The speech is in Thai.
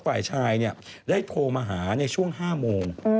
ฝ่ายชายเนี่ยได้โพลมาหาในช่วง๕โมง